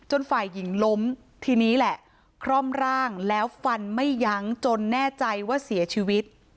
ฝ่ายหญิงล้มทีนี้แหละคร่อมร่างแล้วฟันไม่ยั้งจนแน่ใจว่าเสียชีวิต